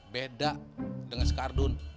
beda dengan si kardun